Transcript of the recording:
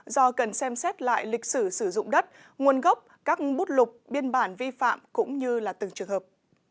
do cần xem xét lại lịch sử sử dụng đất nguồn gốc các bút lục biên bản vi phạm cũng như là từng trường hợp